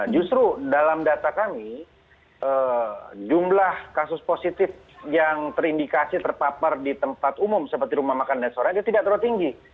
justru dalam data kami jumlah kasus positif yang terindikasi terpapar di tempat umum seperti rumah makan dan sore itu tidak terlalu tinggi